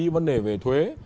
vấn đề về thuế